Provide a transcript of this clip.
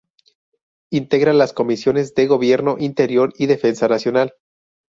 Integra las comisiones de Gobierno Interior y de Defensa Nacional.